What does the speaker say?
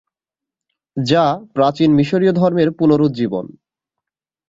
যা প্রাচীন মিশরীয় ধর্মের পুনরুজ্জীবন।